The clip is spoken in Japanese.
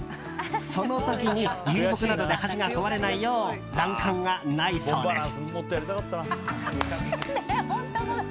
その時に流木などで橋が壊れないよう欄干がないそうです。